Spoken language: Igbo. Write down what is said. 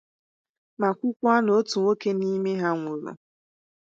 ma kwukwa na otu nwoke n'ime ha nwụrụ